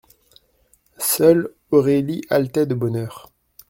Seule, Aurélie haletait de bonheur.